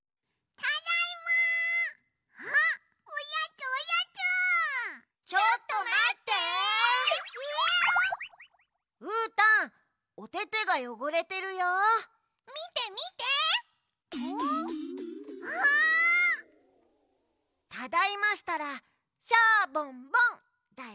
ただいましたら「シャボンボン」だよ。